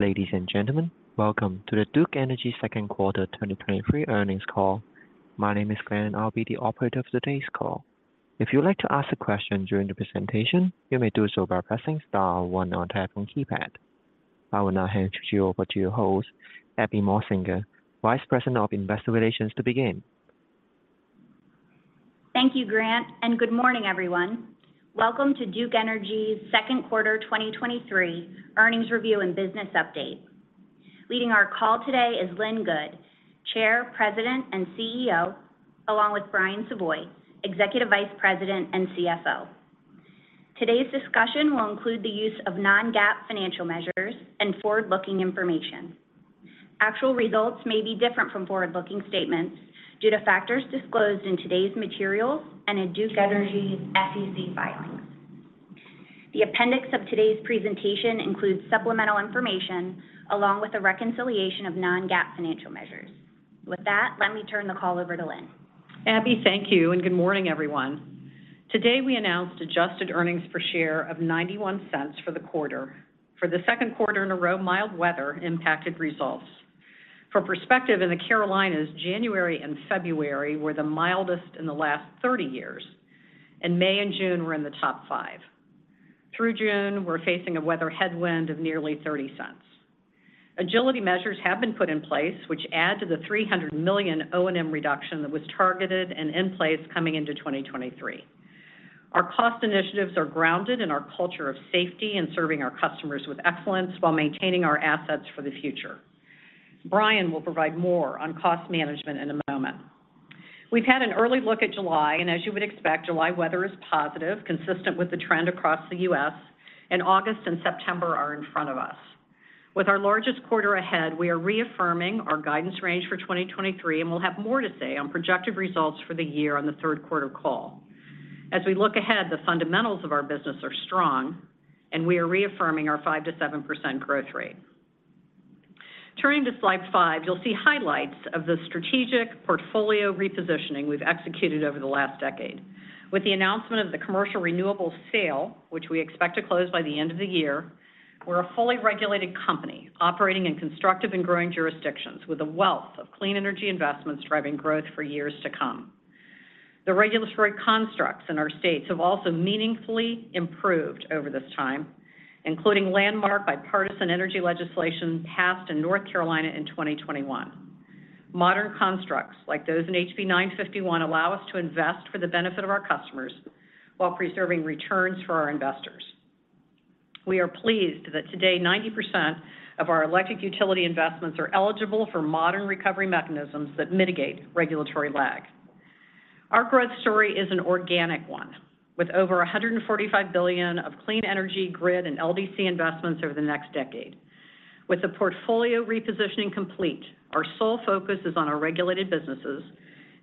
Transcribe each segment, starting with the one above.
Ladies and gentlemen, welcome to the Duke Energy Second Quarter 2023 Earnings call. My name is Glenn, I'll be the operator of today's call. If you would like to ask a question during the presentation, you may do so by pressing star one on your phone keypad. I will now hand you over to your host, Abby Motsinger, Vice President of Investor Relations, to begin. Thank you, Grant. Good morning, everyone. Welcome to Duke Energy's Second Quarter 2023 Earnings review and business update. Leading our call today is Lynn Good, Chair, President, and CEO, along with Brian Savoy, Executive Vice President and CFO. Today's discussion will include the use of non-GAAP financial measures and forward-looking information. Actual results may be different from forward-looking statements due to factors disclosed in today's materials and in Duke Energy's SEC filings. The appendix of today's presentation includes supplemental information along with a reconciliation of non-GAAP financial measures. With that, let me turn the call over to Lynn. Abby, thank you, and good morning, everyone. Today, we announced adjusted earnings per share of $0.91 for the quarter. For the second quarter in a row, mild weather impacted results. For perspective, in the Carolinas, January and February were the mildest in the last 30 years, and May and June were in the top five. Through June, we're facing a weather headwind of nearly $0.30. Agility measures have been put in place, which add to the $300 million O&M reduction that was targeted and in place coming into 2023. Our cost initiatives are grounded in our culture of safety and serving our customers with excellence while maintaining our assets for the future. Brian will provide more on cost management in a moment. We've had an early look at July, and as you would expect, July weather is positive, consistent with the trend across the U.S., and August and September are in front of us. With our largest quarter ahead, we are reaffirming our guidance range for 2023, and we'll have more to say on projected results for the year on the 3rd quarter call. As we look ahead, the fundamentals of our business are strong, and we are reaffirming our 5%-7% growth rate. Turning to slide five, you'll see highlights of the strategic portfolio repositioning we've executed over the last decade. With the announcement of the commercial renewables sale, which we expect to close by the end of the year, we're a fully regulated company operating in constructive and growing jurisdictions with a wealth of clean energy investments driving growth for years to come. The regulatory constructs in our states have also meaningfully improved over this time, including landmark bipartisan energy legislation passed in North Carolina in 2021. Modern constructs like those in House Bill 951 allow us to invest for the benefit of our customers while preserving returns for our investors. We are pleased that today, 90% of our electric utility investments are eligible for modern recovery mechanisms that mitigate regulatory lag. Our growth story is an organic one, with over $145 billion of clean energy, grid, and LDC investments over the next decade. With the portfolio repositioning complete, our sole focus is on our regulated businesses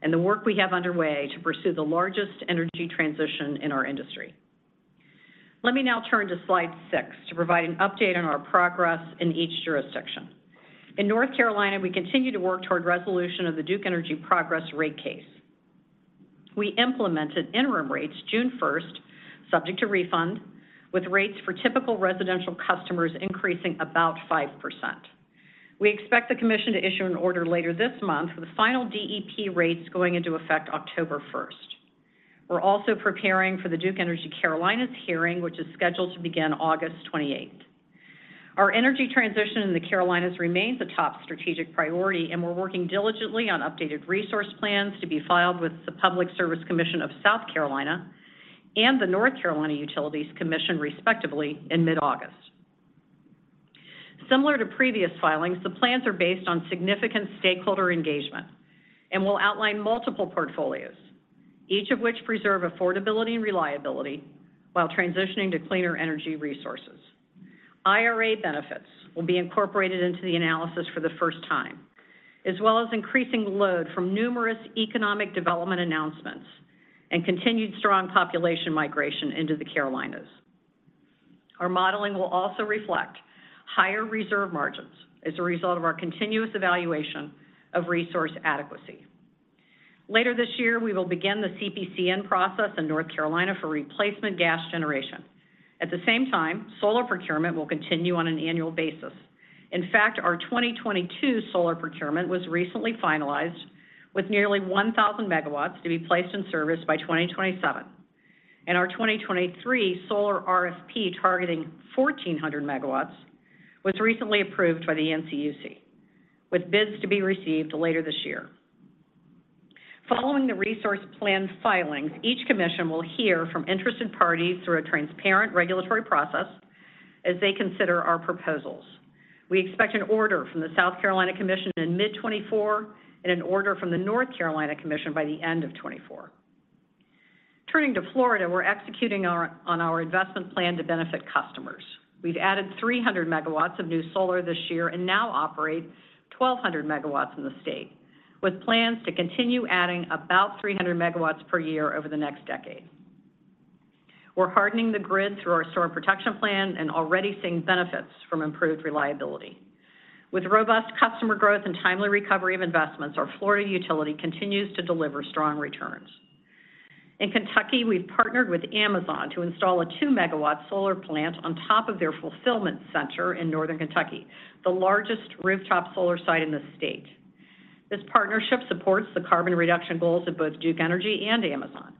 and the work we have underway to pursue the largest energy transition in our industry. Let me now turn to slide six to provide an update on our progress in each jurisdiction. In North Carolina, we continue to work toward resolution of the Duke Energy Progress rate case. We implemented interim rates June 1st, subject to refund, with rates for typical residential customers increasing about 5%. We expect the commission to issue an order later this month, with the final DEP rates going into effect October 1st. We're also preparing for the Duke Energy Carolinas hearing, which is scheduled to begin August 28th. Our energy transition in the Carolinas remains a top strategic priority, and we're working diligently on updated resource plans to be filed with the Public Service Commission of South Carolina and the North Carolina Utilities Commission, respectively, in mid-August. Similar to previous filings, the plans are based on significant stakeholder engagement and will outline multiple portfolios, each of which preserve affordability and reliability while transitioning to cleaner energy resources. IRA benefits will be incorporated into the analysis for the first time, as well as increasing load from numerous economic development announcements and continued strong population migration into the Carolinas. Our modeling will also reflect higher reserve margins as a result of our continuous evaluation of resource adequacy. Later this year, we will begin the CPCN process in North Carolina for replacement gas generation. At the same time, solar procurement will continue on an annual basis. In fact, our 2022 solar procurement was recently finalized with nearly 1,000 MW to be placed in service by 2027, and our 2023 solar RFP, targeting 1,400 MW, was recently approved by the NCUC, with bids to be received later this year. Following the resource plan filings, each commission will hear from interested parties through a transparent regulatory process as they consider our proposals. We expect an order from the South Carolina Commission in mid 2024 and an order from the North Carolina Commission by the end of 2024. Turning to Florida, we're executing on our investment plan to benefit customers. We've added 300MW of new solar this year and now operate 1,200 MW in the state, with plans to continue adding about 300 MW per year over the next decade. We're hardening the grid through our Storm Protection Plan and already seeing benefits from improved reliability. With robust customer growth and timely recovery of investments, our Florida utility continues to deliver strong returns. In Kentucky, we've partnered with Amazon to install a 2-MW solar plant on top of their fulfillment center in Northern Kentucky, the largest rooftop solar site in the state. This partnership supports the carbon reduction goals of both Duke Energy and Amazon.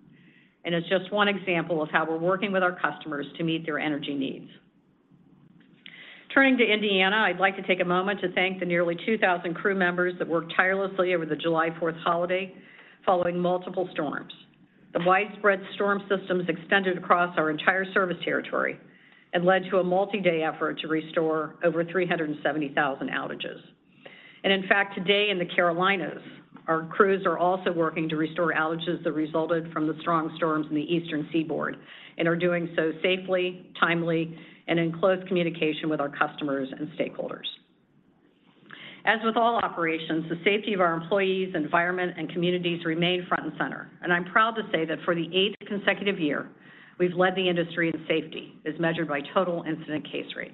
It's just one example of how we're working with our customers to meet their energy needs. Turning to Indiana, I'd like to take a moment to thank the nearly 2,000 crew members that worked tirelessly over the July Fourth holiday following multiple storms. The widespread storm systems extended across our entire service territory and led to a multi-day effort to restore over 370,000 outages. In fact, today in the Carolinas, our crews are also working to restore outages that resulted from the strong storms in the eastern seaboard and are doing so safely, timely, and in close communication with our customers and stakeholders. As with all operations, the safety of our employees, environment, and communities remain front and center, and I'm proud to say that for the eighth consecutive year, we've led the industry in safety, as measured by Total Incident Case Rate.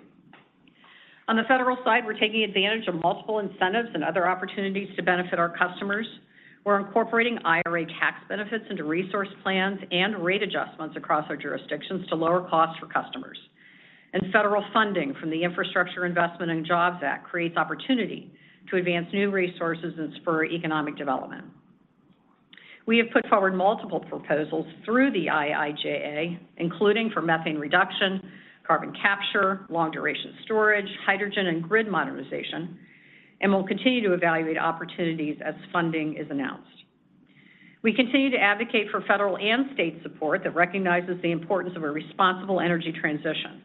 On the federal side, we're taking advantage of multiple incentives and other opportunities to benefit our customers. We're incorporating IRA tax benefits into resource plans and rate adjustments across our jurisdictions to lower costs for customers. Federal funding from the Infrastructure Investment and Jobs Act creates opportunity to advance new resources and spur economic development. We have put forward multiple proposals through the IIJA, including for methane reduction, carbon capture, long-duration storage, hydrogen, and grid modernization, and we'll continue to evaluate opportunities as funding is announced. We continue to advocate for federal and state support that recognizes the importance of a responsible energy transition.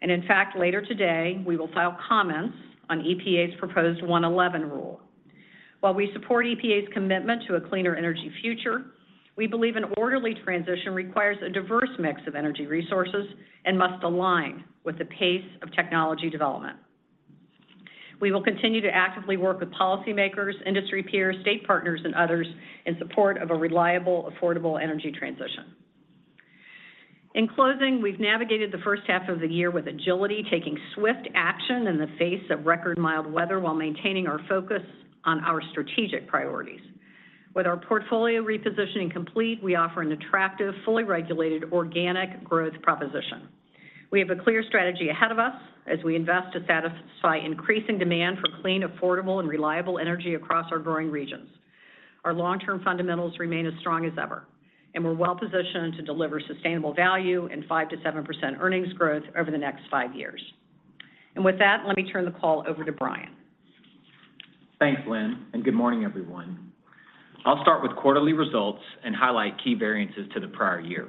In fact, later today, we will file comments on EPA's proposed Section 111 rule. While we support EPA's commitment to a cleaner energy future, we believe an orderly transition requires a diverse mix of energy resources and must align with the pace of technology development. We will continue to actively work with policymakers, industry peers, state partners, and others in support of a reliable, affordable energy transition. In closing, we've navigated the first half of the year with agility, taking swift action in the face of record mild weather while maintaining our focus on our strategic priorities. With our portfolio repositioning complete, we offer an attractive, fully regulated organic growth proposition. We have a clear strategy ahead of us as we invest to satisfy increasing demand for clean, affordable, and reliable energy across our growing regions. Our long-term fundamentals remain as strong as ever, and we're well-positioned to deliver sustainable value and 5%-7% earnings growth over the next five years. With that, let me turn the call over to Brian. Thanks, Lynn. Good morning, everyone. I'll start with quarterly results and highlight key variances to the prior year.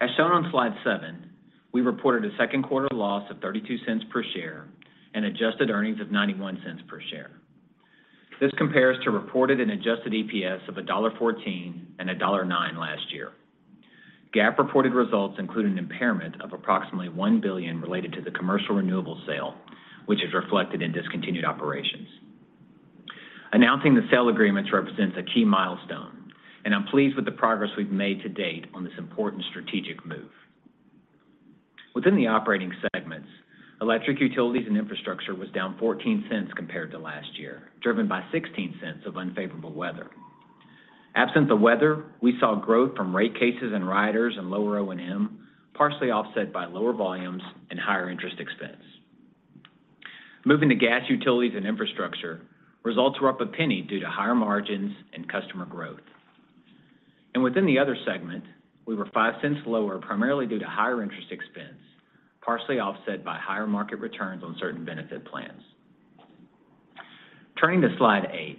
As shown on slide seven, we reported a second quarter loss of $0.32 per share and adjusted earnings of $0.91 per share. This compares to reported and adjusted EPS of $1.14 and $1.09 last year. GAAP reported results include an impairment of approximately $1 billion related to the commercial renewables sale, which is reflected in discontinued operations. Announcing the sale agreements represents a key milestone. I'm pleased with the progress we've made to date on this important strategic move. Within the operating segments, electric utilities and infrastructure was down $0.14 compared to last year, driven by $0.16 of unfavorable weather. Absent the weather, we saw growth from rate cases and riders and lower O&M, partially offset by lower volumes and higher interest expense. Moving to gas, utilities, and infrastructure, results were up $0.01 due to higher margins and customer growth. Within the other segment, we were $0.05 lower, primarily due to higher interest expense, partially offset by higher market returns on certain benefit plans. Turning to slide eight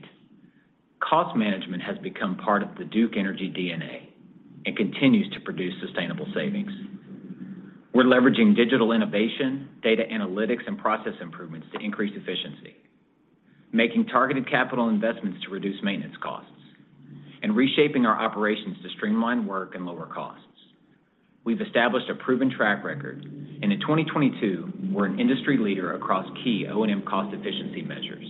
cost management has become part of the Duke Energy DNA and continues to produce sustainable savings. We're leveraging digital innovation, data analytics, and process improvements to increase efficiency, making targeted capital investments to reduce maintenance costs, and reshaping our operations to streamline work and lower costs. We've established a proven track record, and in 2022, we're an industry leader across key O&M cost efficiency measures.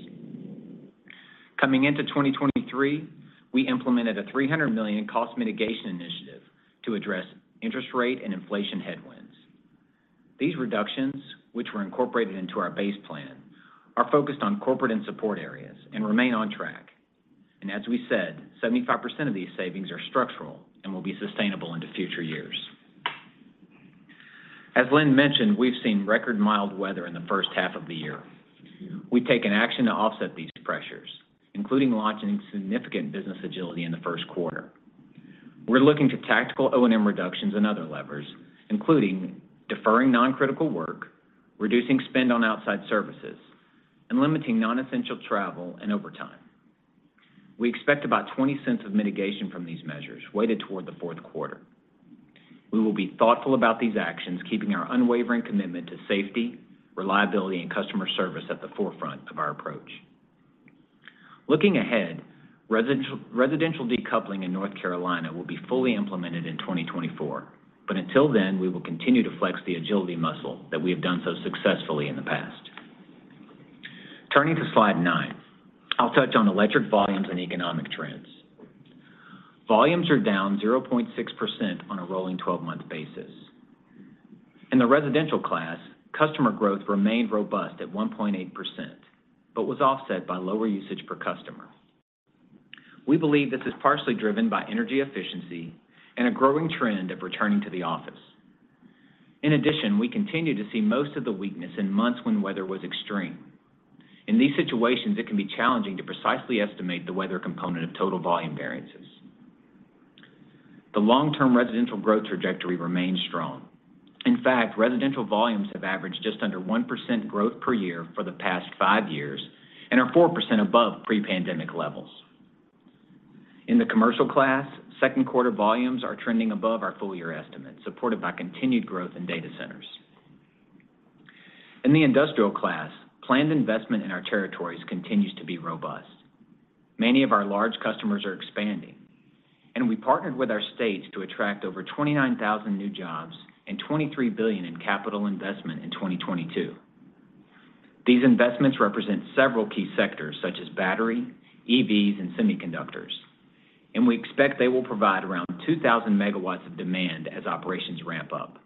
Coming into 2023, we implemented a $300 million cost mitigation initiative to address interest rate and inflation headwinds. These reductions, which were incorporated into our base plan, are focused on corporate and support areas and remain on track. As we said, 75% of these savings are structural and will be sustainable into future years. As Lynn mentioned, we've seen record mild weather in the first half of the year. We've taken action to offset these pressures, including launching significant business agility in the first quarter. We're looking to tactical O&M reductions and other levers, including deferring non-critical work, reducing spend on outside services, and limiting non-essential travel and overtime. We expect about $0.20 of mitigation from these measures, weighted toward the fourth quarter. We will be thoughtful about these actions, keeping our unwavering commitment to safety, reliability, and customer service at the forefront of our approach. Looking ahead, residential decoupling in North Carolina will be fully implemented in 2024. Until then, we will continue to flex the agility muscle that we have done so successfully in the past. Turning to slide nine, I'll touch on electric volumes and economic trends. Volumes are down 0.6% on a rolling 12-month basis. In the residential class, customer growth remained robust at 1.8%, but was offset by lower usage per customer. We believe this is partially driven by energy efficiency and a growing trend of returning to the office. In addition, we continue to see most of the weakness in months when weather was extreme. In these situations, it can be challenging to precisely estimate the weather component of total volume variances. The long-term residential growth trajectory remains strong. In fact, residential volumes have averaged just under 1% growth per year for the past five years and are 4% above pre-pandemic levels. In the commercial class, second quarter volumes are trending above our full year estimates, supported by continued growth in data centers. In the industrial class, planned investment in our territories continues to be robust. Many of our large customers are expanding, and we partnered with our states to attract over 29,000 new jobs and $23 billion in capital investment in 2022. These investments represent several key sectors such as battery, EVs, and semiconductors, and we expect they will provide around 2,000 MWs of demand as operations ramp up.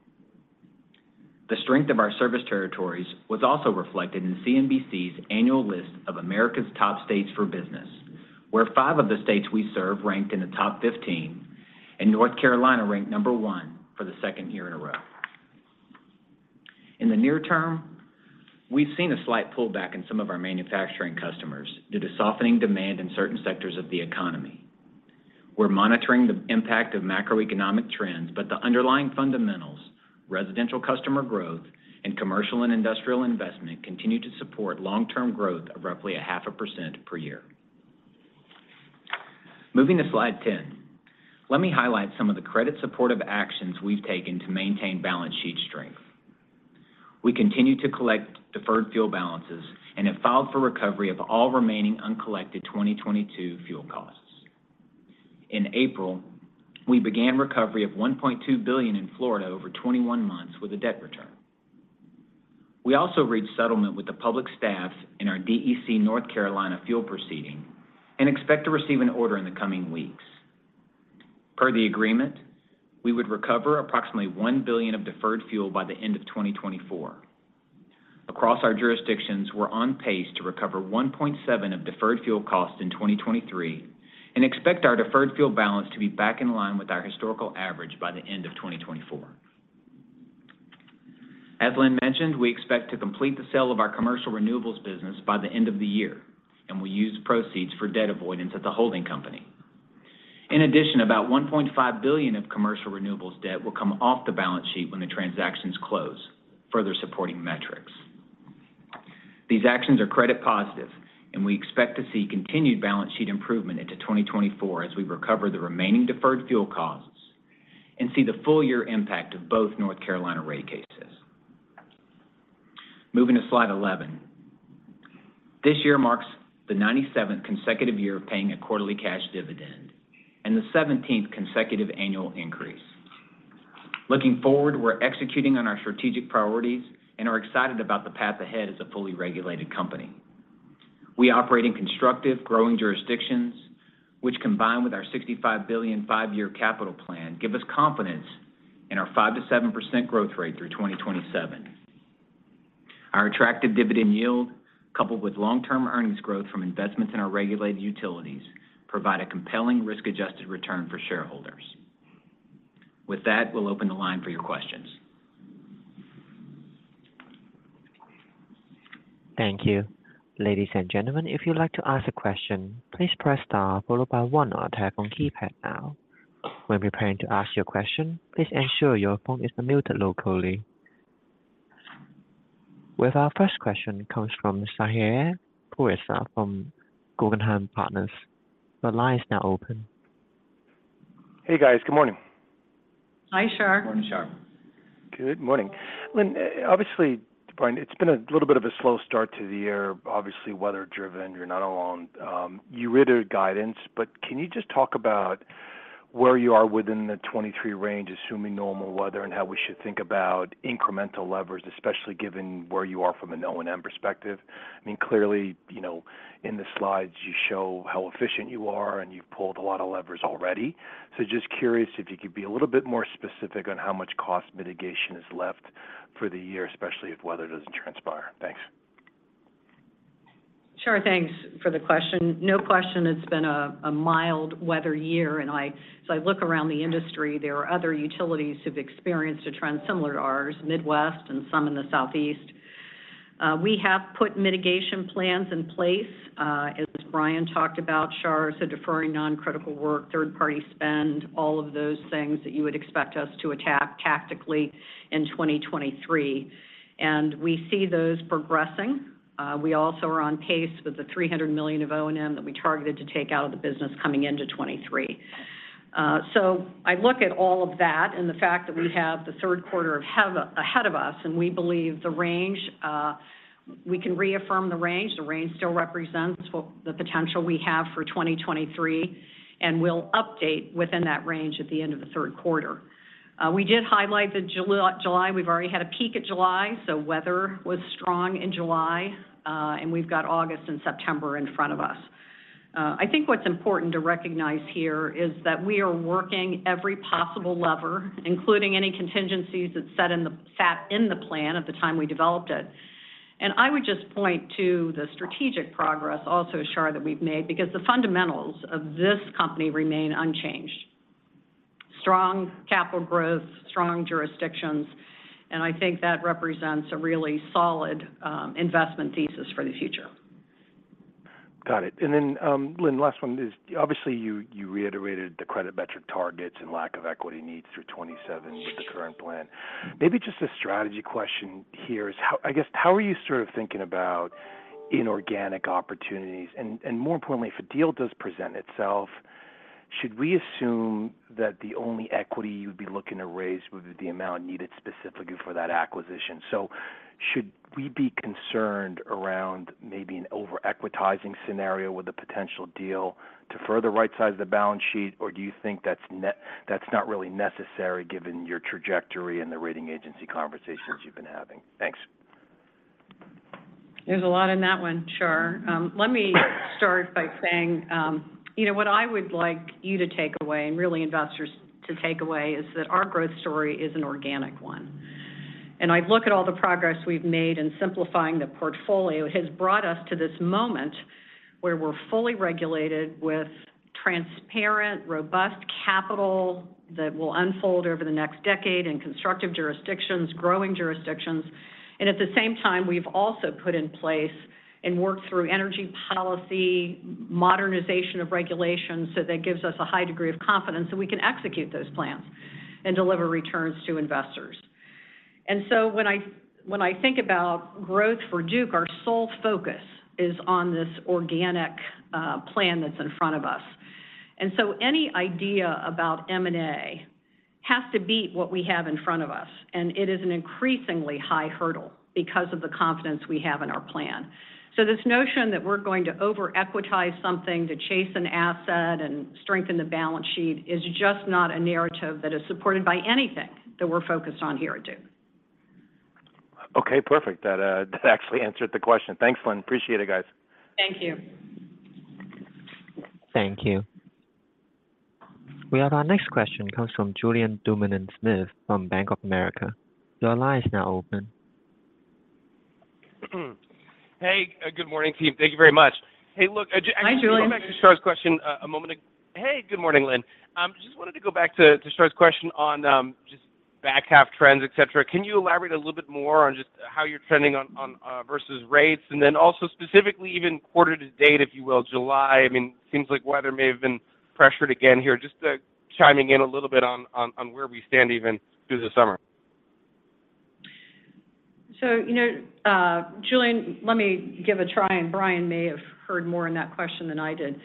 The strength of our service territories was also reflected in CNBC's annual list of America's top states for business, where five of the states we serve ranked in the top 15, and North Carolina ranked number 1 for the second year in a row. In the near term, we've seen a slight pullback in some of our manufacturing customers due to softening demand in certain sectors of the economy. We're monitoring the impact of macroeconomic trends. The underlying fundamentals, residential customer growth, and commercial and industrial investment continue to support long-term growth of roughly 0.5% per year. Moving to slide 10. Let me highlight some of the credit-supportive actions we've taken to maintain balance sheet strength. We continue to collect deferred fuel balances and have filed for recovery of all remaining uncollected 2022 fuel costs. In April, we began recovery of $1.2 billion in Florida over 21 months with a debt return. We also reached settlement with the Public Staff in our DEC North Carolina fuel proceeding and expect to receive an order in the coming weeks. Per the agreement, we would recover approximately $1 billion of deferred fuel by the end of 2024. Across our jurisdictions, we're on pace to recover $1.7 of deferred fuel costs in 2023 and expect our deferred fuel balance to be back in line with our historical average by the end of 2024. As Lynn mentioned, we expect to complete the sale of our commercial renewables business by the end of the year, and we use proceeds for debt avoidance at the holding company. In addition, about $1.5 billion of commercial renewables debt will come off the balance sheet when the transactions close, further supporting metrics. These actions are credit positive, and we expect to see continued balance sheet improvement into 2024 as we recover the remaining deferred fuel costs and see the full year impact of both North Carolina rate cases. Moving to slide 11. This year marks the 97th consecutive year of paying a quarterly cash dividend and the 17th consecutive annual increase. Looking forward, we're executing on our strategic priorities and are excited about the path ahead as a fully regulated company. We operate in constructive, growing jurisdictions, which, combined with our $65 billion five-year capital plan, give us confidence in our 5%-7% growth rate through 2027. Our attractive dividend yield, coupled with long-term earnings growth from investments in our regulated utilities, provide a compelling risk-adjusted return for shareholders. With that, we'll open the line for your questions. Thank you. Ladies and gentlemen, if you'd like to ask a question, please press star followed by one on your telephone keypad now. When preparing to ask your question, please ensure your phone is muted locally. With our first question comes from Shar Pourreza from Guggenheim Partners. The line is now open. Hey, guys. Good morning. Hi, Shar. Morning, Shar. Good morning. Lynn, obviously, Brian, it's been a little bit of a slow start to the year, obviously, weather driven. You're not alone. You reiterating guidance, but can you just talk about where you are within the 23 range, assuming normal weather, and how we should think about incremental levers, especially given where you are from an O&M perspective? I mean, clearly, you know, in the slides, you show how efficient you are, and you've pulled a lot of levers already. Just curious if you could be a little bit more specific on how much cost mitigation is left for the year, especially if weather doesn't transpire. Thanks. Sure. Thanks for the question. No question, it's been a mild weather year, as I look around the industry, there are other utilities who've experienced a trend similar to ours, Midwest and some in the Southeast. We have put mitigation plans in place, as Brian talked about, Shar, so deferring non-critical work, third-party spend, all of those things that you would expect us to attack tactically in 2023. We see those progressing. We also are on pace with the $300 million of O&M that we targeted to take out of the business coming into 2023. I look at all of that and the fact that we have the third quarter ahead of us, and we believe the range, we can reaffirm the range. The range still represents what the potential we have for 2023, and we'll update within that range at the end of the third quarter. We did highlight that July, we've already had a peak at July, so weather was strong in July, and we've got August and September in front of us. I think what's important to recognize here is that we are working every possible lever, including any contingencies that sat in the plan at the time we developed it. I would just point to the strategic progress also, Shar, that we've made, because the fundamentals of this company remain unchanged. Strong capital growth, strong jurisdictions, and I think that represents a really solid investment thesis for the future. Got it. Then, Lynn, last one is, obviously, you, you reiterated the credit metric targets and lack of equity needs through 27 with the current plan. Maybe just a strategy question here is: I guess, how are you sort of thinking about inorganic opportunities? More importantly, if a deal does present itself, should we assume that the only equity you'd be looking to raise would be the amount needed specifically for that acquisition? Should we be concerned around maybe an over-equitizing scenario with a potential deal to further rightsize the balance sheet, or do you think that's that's not really necessary, given your trajectory and the rating agency conversations you've been having? Thanks. There's a lot in that one, Shar. Let me start by saying, you know, what I would like you to take away, and really investors to take away, is that our growth story is an organic one. I look at all the progress we've made in simplifying the portfolio. It has brought us to this moment where we're fully regulated with transparent, robust capital that will unfold over the next decade in constructive jurisdictions, growing jurisdictions. At the same time, we've also put in place and worked through energy policy, modernization of regulations, that gives us a high degree of confidence that we can execute those plans and deliver returns to investors. When I, when I think about growth for Duke, our sole focus is on this organic plan that's in front of us. Any idea about M&A has to beat what we have in front of us, and it is an increasingly high hurdle because of the confidence we have in our plan. This notion that we're going to over-equitize something to chase an asset and strengthen the balance sheet is just not a narrative that is supported by anything that we're focused on here at Duke. Okay, perfect. That, that actually answered the question. Thanks, Lynn. Appreciate it, guys. Thank you. Thank you. We have our next question comes from Julien Dumoulin-Smith from Bank of America. Your line is now open. Hey, good morning, team. Thank you very much. Hey, look, Hi, Julian. Actually, going back to Shar's question, a moment ago. Hey, good morning, Lynn. Just wanted to go back to, to Shar's question on just back half trends, et cetera. Can you elaborate a little bit more on just how you're trending on, on versus rates? Then also specifically even quarter to date, if you will, July. I mean, seems like weather may have been pressured again here. Just chiming in a little bit on, on, on where we stand even through the summer. You know, Julian, let me give a try, and Brian may have heard more in that question than I did.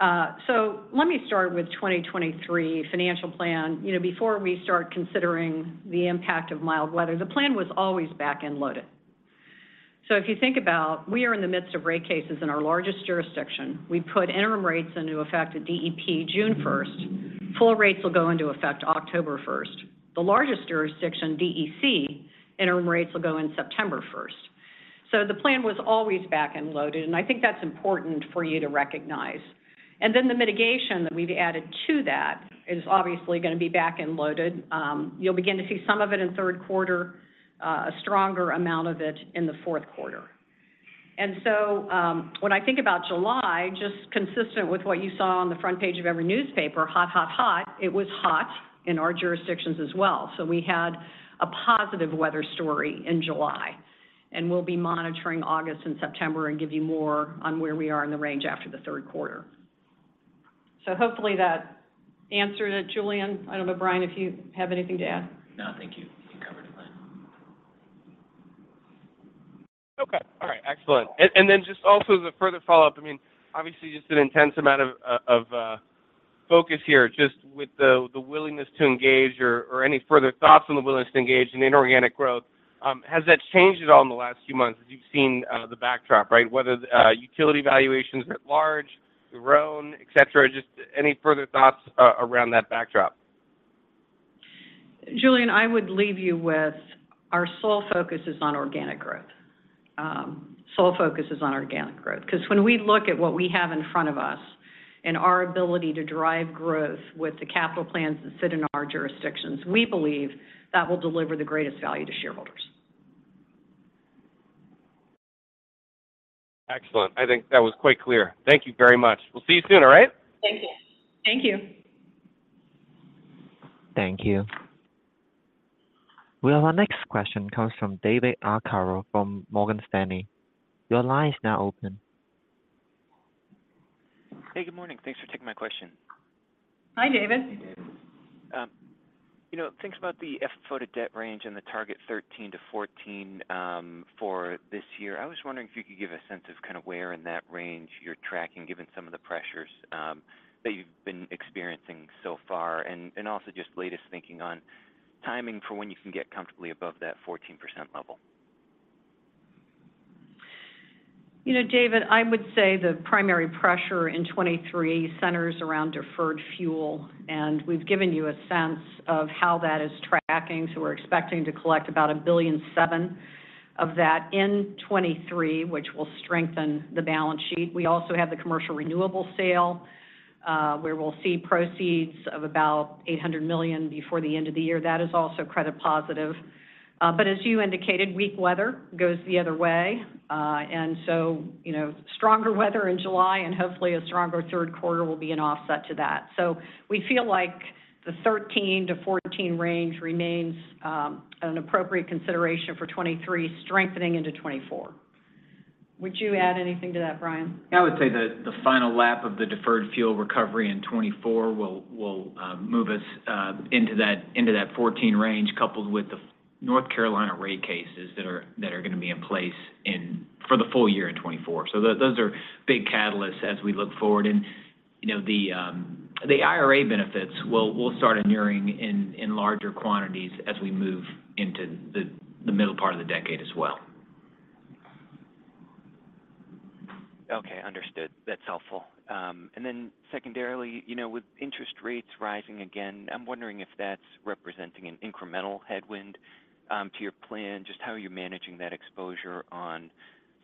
Let me start with 2023 financial plan. You know, before we start considering the impact of mild weather, the plan was always back-end loaded. If you think about, we are in the midst of rate cases in our largest jurisdiction. We put interim rates into effect at DEP June 1st. Full rates will go into effect October 1st. The largest jurisdiction, DEC, interim rates will go in September 1st. The plan was always back-end loaded, and I think that's important for you to recognize. Then the mitigation that we've added to that is obviously gonna be back-end loaded. You'll begin to see some of it in 3rd quarter, a stronger amount of it in the 4th quarter. When I think about July, just consistent with what you saw on the front page of every newspaper, hot, hot, hot, it was hot in our jurisdictions as well. We had a positive weather story in July, and we'll be monitoring August and September and give you more on where we are in the range after the third quarter. Hopefully that answered it, Julian. I don't know, Brian, if you have anything to add. No, thank you. You covered it, Lynn. Okay. All right, excellent. Then just also as a further follow-up, I mean, obviously, just an intense amount of focus here, just with the willingness to engage or any further thoughts on the willingness to engage in inorganic growth. Has that changed at all in the last few months as you've seen the backdrop, right? Whether the utility valuations at large, your own, et cetera, just any further thoughts around that backdrop? Julian, I would leave you with our sole focus is on organic growth. Sole focus is on organic growth. Because when we look at what we have in front of us and our ability to drive growth with the capital plans that sit in our jurisdictions, we believe that will deliver the greatest value to shareholders. Excellent. I think that was quite clear. Thank you very much. We'll see you soon, all right? Thank you. Thank you. Thank you. Well, our next question comes from David Arcaro from Morgan Stanley. Your line is now open. Hey, good morning. Thanks for taking my question. Hi, David. Hey. You know, thinking about the FFO to debt range and the target 13-14% for this year, I was wondering if you could give a sense of kind of where in that range you're tracking, given some of the pressures that you've been experiencing so far, and, and also just latest thinking on timing for when you can get comfortably above that 14% level? You know, David, I would say the primary pressure in 2023 centers around deferred fuel, we've given you a sense of how that is tracking, we're expecting to collect about $1.7 billion of that in 2023, which will strengthen the balance sheet. We also have the commercial renewable sale. where we'll see proceeds of about $800 million before the end of the year. That is also credit positive. as you indicated, weak weather goes the other way. you know, stronger weather in July and hopefully a stronger third quarter will be an offset to that. we feel like the 13-14 range remains an appropriate consideration for 2023, strengthening into 2024. Would you add anything to that, Brian? I would say that the final lap of the deferred fuel recovery in 2024 will, will move us into that, into that 14 range, coupled with the North Carolina rate cases that are, that are going to be in place for the full year in 2024. Those, those are big catalysts as we look forward. You know, the, the IRA benefits will, will start inuring in, in larger quantities as we move into the, the middle part of the decade as well. Okay, understood. That's helpful. Then secondarily, you know, with interest rates rising again, I'm wondering if that's representing an incremental headwind to your plan, just how are you managing that exposure on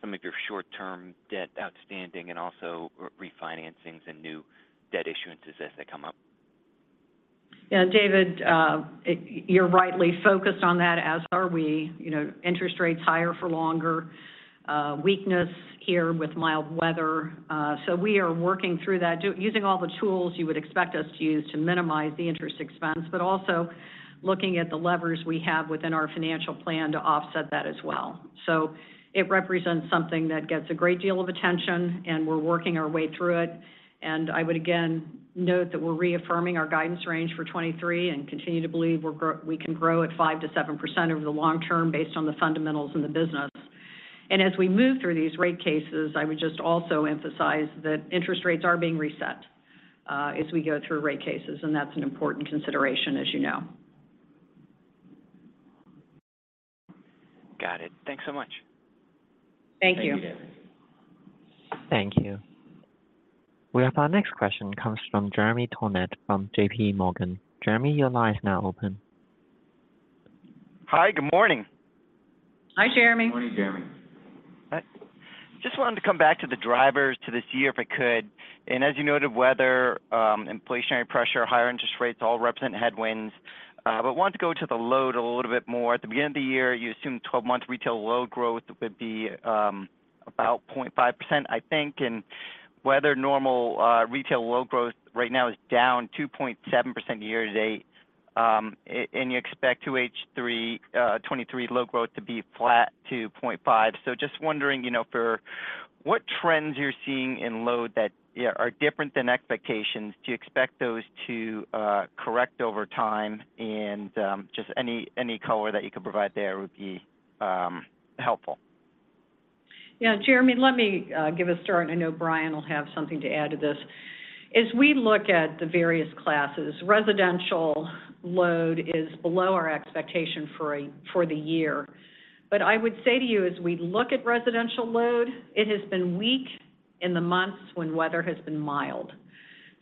some of your short-term debt outstanding and also refinancings and new debt issuances as they come up? Yeah, David, you're rightly focused on that, as are we. You know, interest rates higher for longer, weakness here with mild weather. We are working through that, using all the tools you would expect us to use to minimize the interest expense, but also looking at the levers we have within our financial plan to offset that as well. It represents something that gets a great deal of attention, and we're working our way through it. I would again note that we're reaffirming our guidance range for 2023 and continue to believe we're grow-- we can grow at 5% to 7% over the long term based on the fundamentals in the business. As we move through these rate cases, I would just also emphasize that interest rates are being reset, as we go through rate cases. That's an important consideration, as you know. Got it. Thanks so much. Thank you. Thank you, David. Thank you. We have our next question comes from Jeremy Tonet from JPMorgan. Jeremy, your line is now open. Hi, good morning. Hi, Jeremy. Good morning, Jeremy. I just wanted to come back to the drivers to this year, if I could. As you noted, weather, inflationary pressure, higher interest rates all represent headwinds, but wanted to go to the load a little bit more. At the beginning of the year, you assumed 12-month retail load growth would be about 0.5%, I think. Weather normal retail load growth right now is down 2.7% year to date. You expect 2H3 2023 load growth to be flat to 0.5%. Just wondering, you know, for what trends you're seeing in load that are different than expectations, do you expect those to correct over time? Just any, any color that you could provide there would be helpful. Yeah, Jeremy, let me give a start, and I know Brian will have something to add to this. As we look at the various classes, residential load is below our expectation for the year. I would say to you, as we look at residential load, it has been weak in the months when weather has been mild.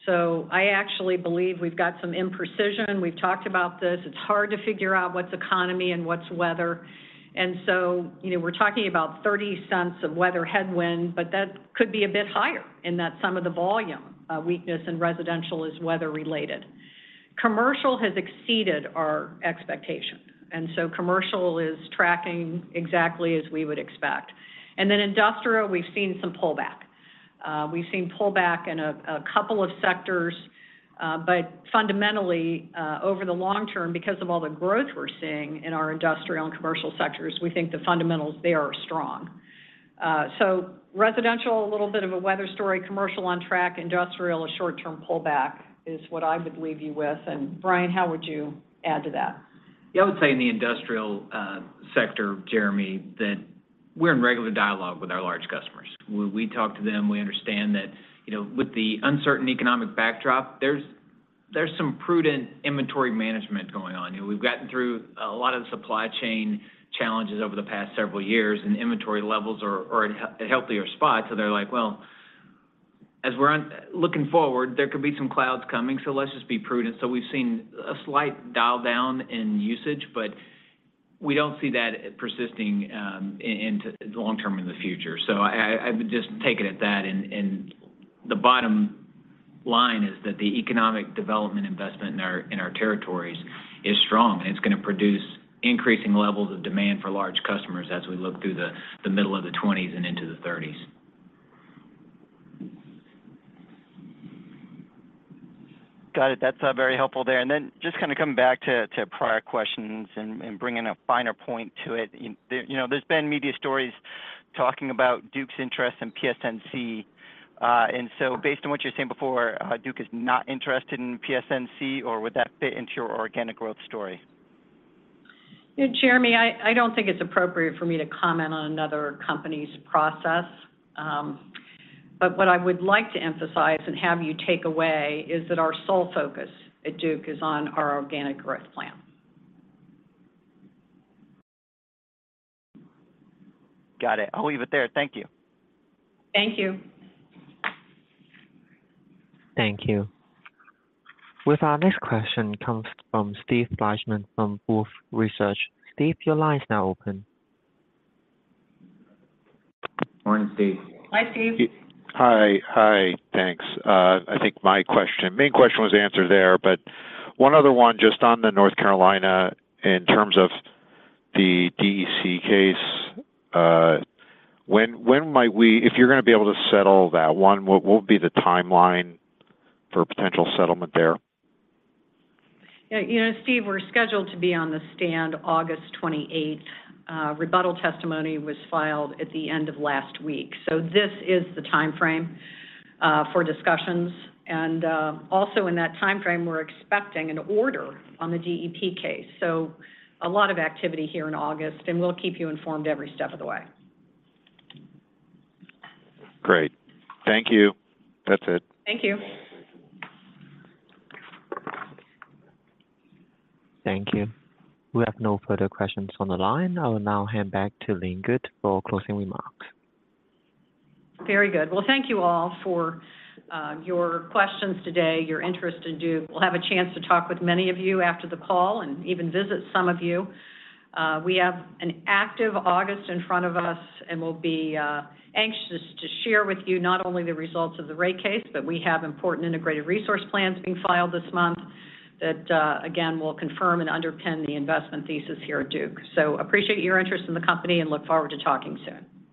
I actually believe we've got some imprecision. We've talked about this. It's hard to figure out what's economy and what's weather. You know, we're talking about $0.30 of weather headwind, but that could be a bit higher in that some of the volume weakness in residential is weather-related. Commercial has exceeded our expectation, and so commercial is tracking exactly as we would expect. Industrial, we've seen some pullback. We've seen pullback in a couple of sectors, but fundamentally, over the long term, because of all the growth we're seeing in our industrial and commercial sectors, we think the fundamentals there are strong. Residential, a little bit of a weather story, commercial on track, industrial, a short-term pullback is what I would leave you with. Brian, how would you add to that? Yeah, I would say in the industrial sector, Jeremy, that we're in regular dialogue with our large customers. When we talk to them, we understand that, you know, with the uncertain economic backdrop, there's, there's some prudent inventory management going on. We've gotten through a lot of the supply chain challenges over the past several years, and inventory levels are, are at a healthier spot. They're like: Well, as we're looking forward, there could be some clouds coming, so let's just be prudent. We've seen a slight dial down in usage, but we don't see that persisting in, into the long term in the future. I, I, I would just take it at that. The bottom line is that the economic development investment in our, in our territories is strong, and it's going to produce increasing levels of demand for large customers as we look through the, the middle of the 20s and into the 30s. Got it. That's very helpful there. Just kind of coming back to, to prior questions and, and bringing a finer point to it. There, you know, there's been media stories talking about Duke's interest in PSNC. Based on what you're saying before, Duke is not interested in PSNC, or would that fit into your organic growth story? Jeremy, I don't think it's appropriate for me to comment on another company's process. What I would like to emphasize and have you take away is that our sole focus at Duke is on our organic growth plan. Got it. I'll leave it there. Thank you. Thank you. Thank you. With our next question comes from Steve Fleishman from Wolfe Research. Steve, your line is now open. Morning, Steve. Hi, Steve. Hi. Hi, thanks. I think my question, main question was answered there, but one other one just on the North Carolina, in terms of the DEC case, when, when might we-- if you're going to be able to settle that one, what, what would be the timeline for potential settlement there? Yeah, you know, Steve, we're scheduled to be on the stand August 28th. Rebuttal testimony was filed at the end of last week. This is the timeframe for discussions. Also in that timeframe, we're expecting an order on the DEP case. A lot of activity here in August, and we'll keep you informed every step of the way. Great. Thank you. That's it. Thank you. Thank you. We have no further questions on the line. I will now hand back to Lynn Good for closing remarks. Very good. Thank you all for your questions today, your interest in Duke. We'll have a chance to talk with many of you after the call and even visit some of you. We have an active August in front of us, and we'll be anxious to share with you not only the results of the rate case, but we have important integrated resource plans being filed this month that again, will confirm and underpin the investment thesis here at Duke. Appreciate your interest in the company and look forward to talking soon.